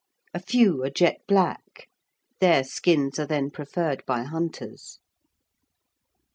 A few are jet black; their skins are then preferred by hunters.